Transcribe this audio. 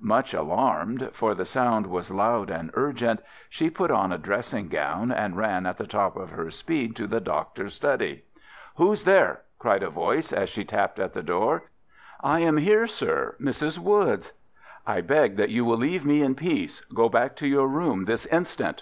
Much alarmed, for the sound was loud and urgent, she put on a dressing gown, and ran at the top of her speed to the doctor's study. "Who's there?" cried a voice, as she tapped at the door. "I am here, sir—Mrs. Woods." "I beg that you will leave me in peace. Go back to your room this instant!"